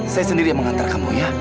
saya sendiri yang mengantar kamu ya